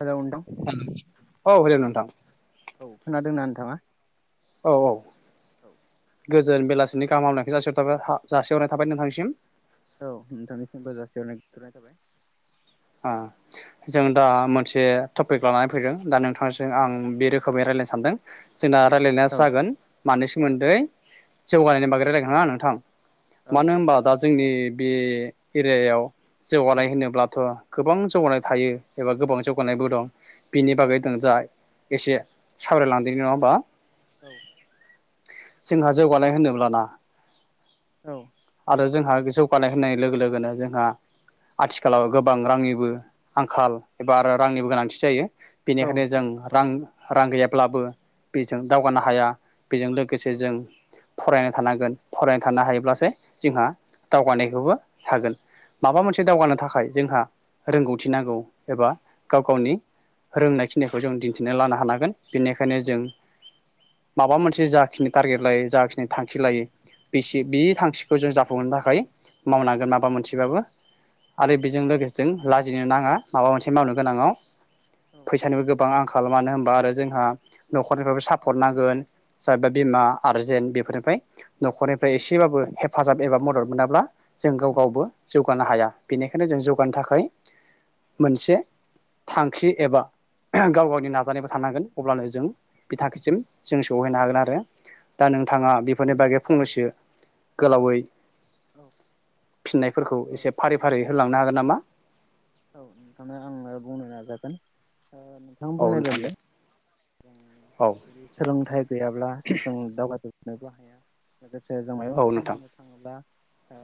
Hello नोंथां होन औ होल नों थां। औ खोनादोंना नोंथाङा? औ औ गोज जोन बेलासिनि गाहाम हामग्लायनायखौ जासि हरनाय थाबनाय जासिहरनाय थाबाय नोंथांसिम। औ नोंथांनिसिमबो जासिहरनाय गोथोननाय थांबाय। आ। जों दा मोनसे टपिक लानानै फैदों दा नोंथांजों आं बे रोखोमै रायज्लायनो सानदों जोंना रायलायनाया औ जागोन। मानि सोमोन्दै जौगानायनि बागै रायलायगोन हा नोंथां। औ मानो होमबा दा जोंनि बे एरियायाव औ जौगानाय होनोब्लाथ' गोबां जौगानाय थायो एबा गोबां जौगानायबो दं। बिनि औ बागै दों जाय एसे सावरायलांदिनि नङा होमबा? औ। जोंहा जौगानाय होनोब्लाना औ। आरो जोंहा जौगानाय होननाय लोगो लोगोनो जोंहा आथिखालाव गोबां रांनिबो आंखाल एबा आरो औ रांनिबो गोनांथि जायो औ बेनिखायनो औ जों रां रां गैयाब्लाबो बेजों दावगानो हाया। बेजों लोगोसे जों फरायनाय थानांगोन फरायना थानो हायोब्लासो जोंहा दावगानायखौबो हागोन। माबा औ मोनसे दावगानो थाखाय जोंहा रोंगौथि नांगौ। एबा गाव नंगौ गावनि रोंनाय खिनिखौ जों दिन्थिना लानो हानांगोन। बेनिखायनो औ जों माबा मोनसे नंगौ जाखिनि टारगेट लायो जाखिनि थांखि लायो औ बेसे औ बे थांखि खौ जों जाफुंहोनो थाखाय औ मावनांगोन माबा मोनसेबाबो औ आरो बेजों लोगोसे जों लाजिनो नाङा। माबा मोनसे मावनो गोनाङाव औ फैसानिबो गोबां आंखाल मानो होमबा आरो जोंहा न'खरनिफ्रायबो औ नंगौ सापर्ट नांगोन जायबा औ बिमा आरो जेन बेफोर ओमफाय न'खरनिफ्राय एसेबाबो एबा मदद मोनाब्ला जों गाव गावबो जौ मानो हाया बेनिखायनो जों जौगानो थाखाय मोनसे थांखि एबा गाव गावनि नाजानायबो थानांगोन अब्लानो जों बिथांखिसिम जों सहैनो हागोन आरो दा नोंथाङा बेफोरनि बागै फंनैसो गोलावै फिननायफोरखौ औ एसे फारि फारि होलांनो हागोन नामा? औ नोंथाङा आंनो बुंनो नाजागोन। ओ नोंथां औ बुंनाय नोंथां बायदि दे जों औ जुदि सोलोंथाइ गैयाब्ला जों दावगाजोब नोबो हाया [inaudible] जायाव जों माबा औ मोनसे नोंथां मावनो थाङोब्ला ओ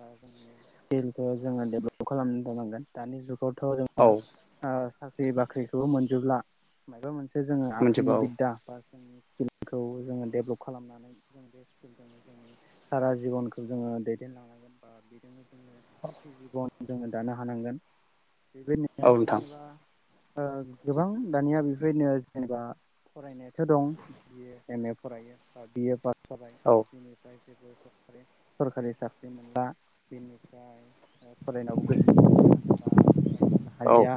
स्किलखौ जोङो देभलप खालामनो थानांगोन दानि जुग औ साख्रि बाख्रिखौबो मोनजोबब्ला मायबा मोनसे जोङो मोनजोबो आखाइनि बिद्दा बा जों स्किलखौ जोङो डेभलप खालामनानै जों बे स्किलजोंनो जोंनि सारा जिबनखौ जोङो दैदेनलांनांगोन बा बेजोंनो [unintelligible] जोङो दानो हानांगोन। बेबो औ [inaudible] नोंथां जेनेबा ओ गोबां दानिया बेफोर बायनो जेनेबा फरायनायाथ' दं बि ए, एम ए फरायो बा बि ए जाबाय औ बेनिफ्राय जेबो सर सरखारि साख्रि मोनला बेनिफ्राय फरायनावबो गोसो गैलिया फरायनोबो औ हालिया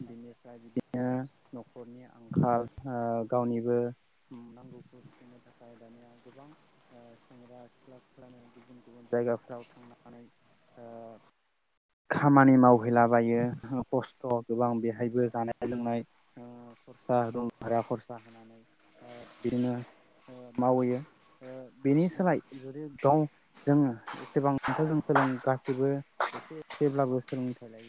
बिदिनो बिदिनो न नखरनि आंखाल ओ गावनिबो नांगौखौ सुफुंनो थाखाय दानिया गोबां ओ सेंग्रा सिख्लाफ्रानो गुबुन गुबुन जायगाफ्राव थांनानै खामानि ओ मावहैला बायो खस्थ' गोबां बेहायबो जानाय लोंनाय ओ खरसा दं भारा खरसा होनानै ओ बिदिनो मावहैयो ओ बेनि सोलाय जुदि गाव जोङो एसेबांथ' जों सोलों गासैबो एसे एसेब्लाबो सोलोंथाइ लाय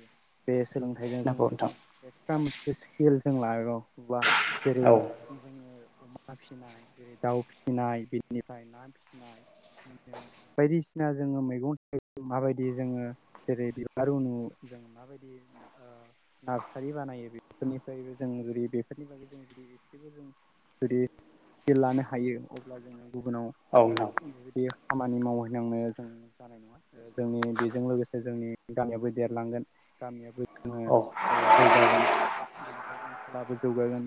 बेे सोलोंथाइजों जों नंगौ नोंथां जुदि एटा मो स्किल जों लागोब्ला जेरै औ जोङो अमा फिनाय जेरै दाउ फिसिनाय बेनिफ्राय ना फिसिनाय बि बायदिसिना जोङो मैगं थाइगं माबायदि जोङो जेरै बिबार रुनु जों माबायदि ओ नार्सारि बानायो बेफोरनिफ्रायबो जों जुदि बेफोरनि बागै जों जुदि एसेबो जों जुदि स्किल लानो हायो अब्ला जोङो गुबुनाव औ नोंथां बे खामानि मावहैनांनो जों जानाय नङा जोंनि बेजों लोगोसे जोंनि गामियाबो देरलांगोन। गामियाबो जोङो औ ओ जौगागोन बेनिफ्राय ओनसोलाबो जौगागोन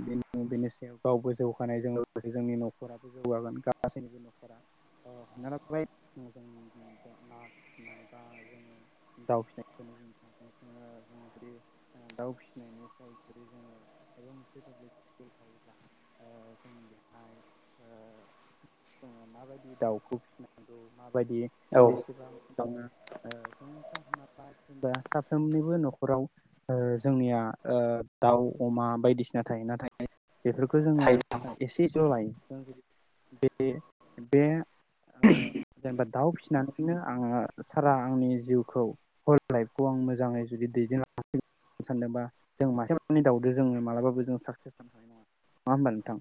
बेनि सायाव गावबो जौगानायजों लोगोसे जोंनि न'खराबो जौगागोन गासैनिबो न'खरा ओ हमना लाबाय जों ना फिनाय बा जोङो दाउ फिसिनायखौनो बुंनो थसै जों जुदि दाउ फिसिनायनि सायाव जुदि जोङो मायबा मोनसे स्केल थायोब्ला ओ जों बेहाय जोङो माबायदि दाउखौ फिसिनांगौ। बायदि औ बेसेबां [unintelligible] साफ्रोमनिबो न'खराव ओ जोंनिया ओ दाउ अमा बायदिसिना थायो नाथाय- बेफोरखौ जोङो थायो एसे ज' लायो। बे बे ओ जेनेबा दाउ फिसिनानैनो आङो सारा आंनि जिउखौ हल लाइफखौ आं मोजां। मोजाङै जुदि दैदेन सानदोंबा जों मासे दाउदो जोङो मालाबाबो जों साकसेस जानो हानाय नङा नङा होमबा नोंथां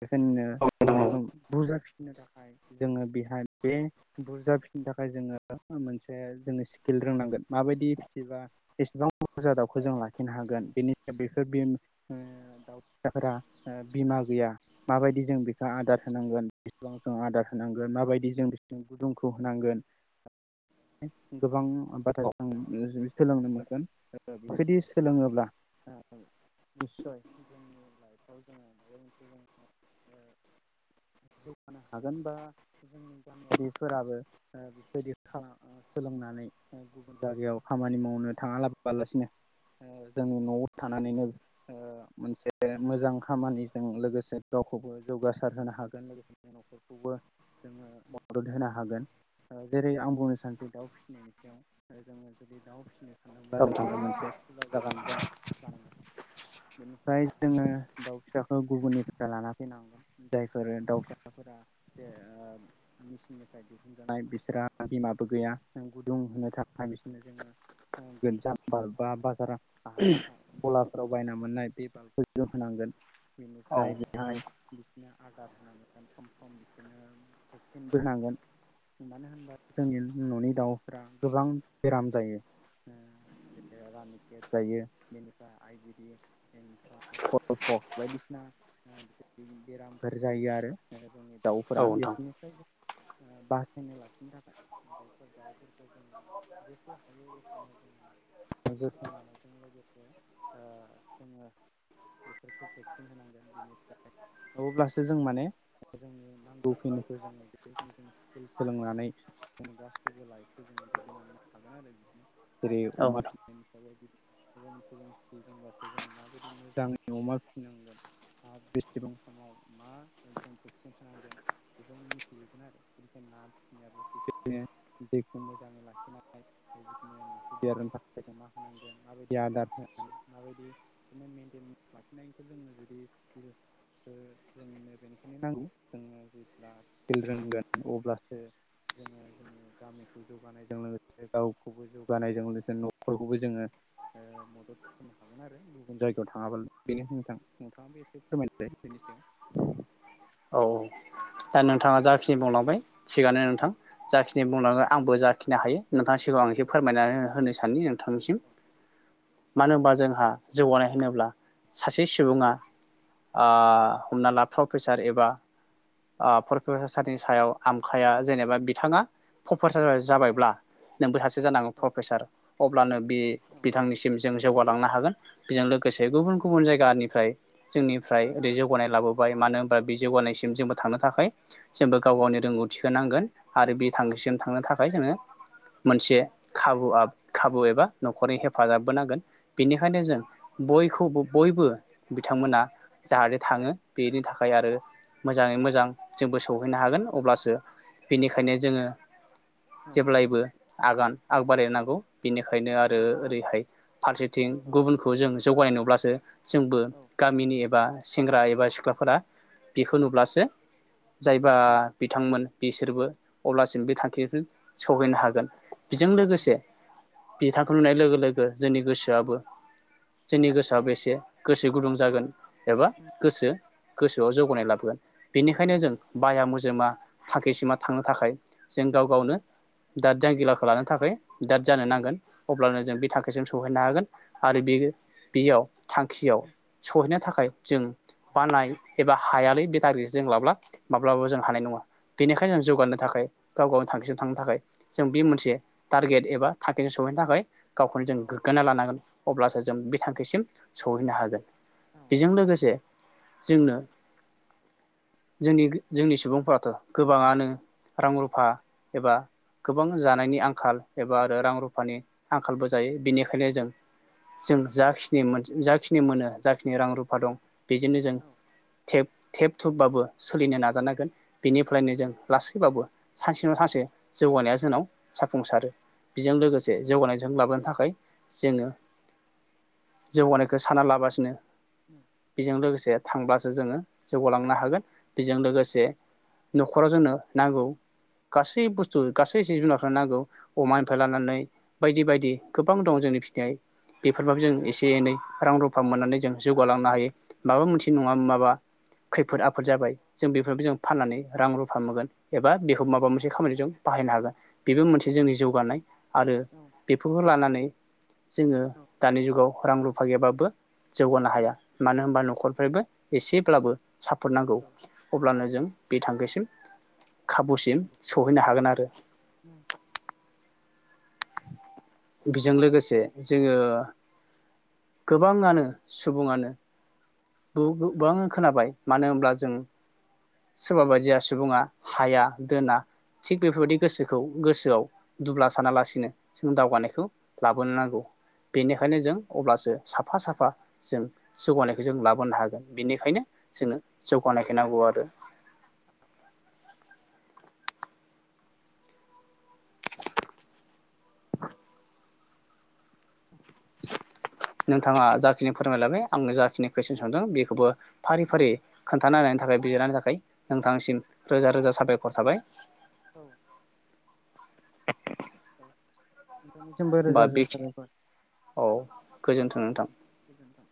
बेखायनो औ नोंथां बेखौ बुरजा फिसिनो थाखाय जोङो बेहाय बे बुरजा फिनो थाखाय जोङो मोनसे जोङो स्किल रोंनांगोन माबायदि। एबा एसेबां बुरजा दाउखौ जों लाखिनो हागोन, बेनि बेफोर ओ दाउ फिसाफोरा ओ बिमा गैया माबायदि जों बेखौ आदार होनांगोन बेसेबां जों आदार होनांगोन माबायदि जों बिसोर गुदुंखौ होनांगोन गोबां। औ [unintelligible] सोलोंनो मोनगोन, बेफोरदि सोलोङोब्ला निस्य, जोंनि लाइफआव जोङो माबा मोनसे ओ जो जौगानो हागोन बा जोंनि गामियारिफोराबो बेबायदि सोलोंनानै गुबुन जायगायाव। खामानि मावनो थाङालालासिनो ओ जोंनि न'आव थानानैनो ओ मोनसे मोजां खामानिजों लोगोसे गावखौबो जौगासार होनो हागोन लोगोसेनो न'खरखौबो जोङो मदद होनो हागोन। जेरै आं बुंनो सानसै दाउ फिसिनायनि सायाव जोङो। दाव फि सिनो सानदोंब्ला औ नोंथां जोङो मोनसे खुला जागा जानांगोन बेनिफ्राय। जोङो दाउ फिसाखौ गुबुननिफ्राय लाना फैनांगोन, जायफोर दाउ फिसाफोरा जे ओ मेसिननिफ्राय दिहुनजानाय बिसोरहा बिमाबो गैया गुदुं होनो थाखाय बिसोर [unintelligible] [unintelligible] फलार औ नोंथां [unintelligible] बेराम जायो रानि केेट जायो, बेनिफ्राय आइ बिडि बेनिफ्राय कलपक्स बायदिसिना बेरामफोर जायो। आरो जोंनि- औ दाउफोरा बेफोरनिफ्राय बासायना लाखिनो थाखाय बेफोर दाउफोरखौ जोङो। जेखौ हायो एखौनो जोङो जोथोन लानायजों लोगोसे जोङो बेफोरखौ भेक्सिन होनांगोन, बेनिफ्राय अब्लासो जों माने जोंनि नांगौखिनिखौ जोङो [unintelligible] सोलोंनानै जोंनि गासैबो लाइफखौ जोङो दैदेनलांनानै हागोन आरो बिदि जेरै अमा नोंथां फिसिनायनि सायाव। एबा मोनसे जों फिबासो जों माबायदि मोजाङै अमा फिसिनांगोना बेसेबां समाव मा जों भेक्सिन होनांगोन बेखौ मिथिजोबगोन आरोनि ना फिसिनायाबो बे दैखौ मोजाङै लाखिनांग [unintelligible] गावखौबो जौगानायजों लोगोसे न'खरखौबो जोङो मदद खालामनो हागोन आरो, गुबुन जायगायाव थाङाबालानो बेनो नोंथां नोंथाङाबो एसे फोरमायनायसाय बेनि सायाव। औ औ दा नोंथाङा जाखिनि बुंलांबाय। थिगानो औ नोंथां, जाखिनि औ बुंलाङो आंबो जाखिनो हायो। नोंथां सिगाङाव आं एसे औ फोरमायनानै होनोसै। [unintelligible] थांसिम मानो होनबा जोंहा जौगानाय होनोब्ला, सासे सुबुङा अ हमना ला प्रपे एबा [unintelligible] सायाव आमखाया जेनेबा बिथाङा। फरायसा जा औ जाबायब्ला, नोंबो सासे जानांगौ औ प्रफेसार। अब्लानो बे बिथांनिसिम जों जौगालांनो हागोन बेजों लो गोसे गुबुन गुबुन जायगानि फ्राय जोंनिफ्राय ओरै जौगानाय लाबोबाय मानो होनबा बे जौगानायसिम जोंबो थांनो थाखाय जोंबो गाव गावनि रोंगौथिखौ नांगोन आरो बे थांखिसिम थांनो थाखाय जोङो मोनसे खाबुआ खाबु एबा न'खरनि हेफाजाबबो नांगोन बेनिखायनो जों बयखौबो बयबो बिथांमोना जाहाथे थाङो बेनि थाखाय आरो मो जाङै मोजां जोंबो सौहैनो हागोन अब्लासो बेनिखायनो जोङो औ जेब्लायबो आगान आगबारायनांगौ बेनिखायनो आरो ओरैहाय फारसेथिं गुबुनखौ जों जौगानाय नुब्लासो [unintelligible] जोंबो गामिनि एबा सेंग्रा एबा सिख्लाफोरा बिखौ नुब्लास जे जायबा बिथांमोन बिसोरबो अब्लासिम बे थांखिखौ सहैनो हागोन बिजों लोगोसे बिथांखौ नुनाय लोगो लोगो जोंनि औ गोसोआबो जोंनि औ औ गोसोआबो एसे गोसो से गुदुं जागोन एबा औ गोसो गोसो जौगानाय लाबोगोन बेनिखायनो जों बाया मोज जोमा थाखिसिमा थांनो थाखाय जों गाव गावनो दाद जांगिलाखौ लानो थाखाय दाद जानो नांगोन अब्लानो जों बे थाखाय जों सहैनो हागोन आरो बे बेयाव थांखियाव सहैनो थाखाय जों बानाय एबा हायालै बेटारि जों लाब्ला माब्लाबो जों हानाय नङा बेनिखायनो जौगानो थाखाय गाव गावनि थांखिजों थांनो थाखाय जों बे मोनसे टारगेट एबा थांखिजों सहैनो थाखाय गावखौनो औ जों गोग्गाना लानांगोन अब्लासो जों बे थांखिसिम सौहैनो हागोन औ बेजों लोगोसे जोंनो जोंनि जोंनि सुबुंफोराथ' गोबाङानो रां रुफा एबा गोबां जानायनि आंखाल एबा आरो रां रुफानि आंखालबो जायो बिनिखायनो जों जों जाखिनि मोन जाखिनि मोनो जाखिनि रां रुफा दं बेजोंनो जों थेब थेब थुब बाबो सोलिनो नाजानांगोन बेनिफ्रायनो जों लासैबाबो सानसे नङा सानसे जौगानाया जोंनाव जाफुंसारो बेजों लोगोसे जौगानायजों लाबोनो थाखाय जोङो जौगानायखौ सानना लाबासिनो बेजों लोगोसे थांब्लासो जोङो जौगालांनो हागोन बेजों लोगोसे न'खराव जोंनो नांगौ गासै बुस्थु गासै जिब जुनारखौनो नांगौ अमानिफ्राय लानानै बायदि बायदि गोबां दं जोंनि फिनाय बेफोरबाबो जों एसे एनै रां रुफा मोननानै जों जौगालांनो हायो माबा मोनसे नङा माबा खैफोद आफोद जाबाय जों बेफोर जों फाननानै रां रुफा मोनगोन एबा बेखौ माबा मोनसे खामानि जों बाहायनो हागोन। बेबो मोनसे जोंनि जौगानाय आरो बेफोरखौ लानानै जोङो दानि जुगाव रां रुफा फागैबाबो जौगानो औ हाया मानो होनबा न'खरफ्रायबो एसे ब्लाबो सापद नांगौ नंगौ अब्लानो जों बे थांखिसिम खाबुसिम नंगौ सौहैनो औ हागोन आरो बेजों लोगोसे जोङो गोबाङानो सुबुङानो गोबां खोनाबाय मानो होनब्ला जों सोरबा बायदिया सुबुङा हाया दोना थिग बेफोरबायदि गोसोखौ गोसोआव दुब्ला सानालासिनो जों दावगानायखौ लाबोनो नांगौ। बेनिखायनो जों अब्लासो साफा साफा जों जौगानायखौ जों लाबो नो हागोन बेनिखायनो जोंनो जौगानायखौ नांगौ आरो। नोंथाङा जाखिनि फोरमायलाबाय आंनो जाखिनि कुइसन सोंदों बेखौबो औ फारि फारि खोन्थाननायनि थाखाय बिजिरनि थाखाय नों थांसिम रोजा रोजा साबायखर थाबाय। औ औ। नोंथांनिसिमबो बा रोजा बे रोजाथाराफोर औ गोजोन्थों औ नोंथां। गोजोनथों।